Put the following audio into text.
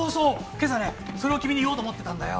今朝ねそれを君に言おうと思ってたんだよ。